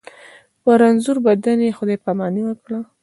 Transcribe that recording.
په رنځور بدن یې خدای پاماني وکړه.